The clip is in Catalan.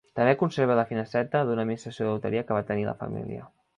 També conserva la finestreta d'una administració de loteria que va tenir la família.